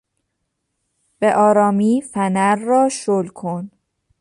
به آرامی فنر را شل کن!